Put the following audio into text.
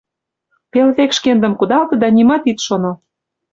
Пел век шкендым кудалте да нимат ит шоно.